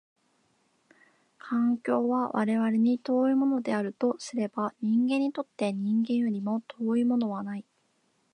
環境は我々に遠いものであるとすれば、人間にとって人間よりも遠いものはない。